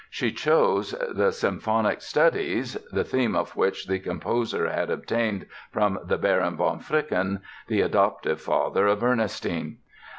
She chose the "Symphonic Studies" (the theme of which the composer had obtained from the Baron von Fricken, the adoptive father of Ernestine).